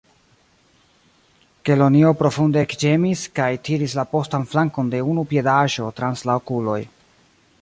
Kelonio profunde ekĝemis, kaj tiris la postan flankon de unu piedaĵo trans la okuloj.